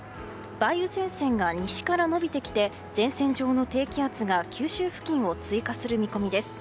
梅雨前線が西から延びてきて前線上の低気圧が九州付近を通過する見込みです。